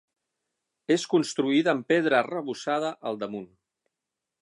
És construïda amb pedra arrebossada al damunt.